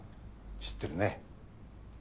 知ってるね。